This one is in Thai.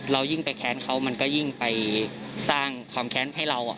เรายิ่งไปแค้นเขามันก็ยิ่งไปสร้างความแค้นให้เรา